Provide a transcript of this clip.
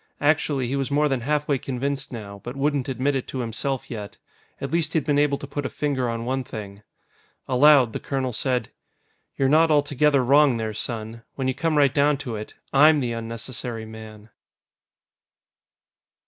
Actually, he was more than halfway convinced now, but wouldn't admit it to himself yet. At least he'd been able to put a finger on one thing. Aloud, the colonel said: "You're not altogether wrong there, son. When you come right down to it, I'm the unnecessary man."